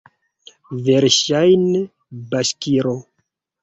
Verŝajne, baŝkiro!